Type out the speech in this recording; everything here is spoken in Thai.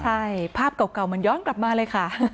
ใช่ภาพเก่ามันย้อนกลับมาเลยค่ะ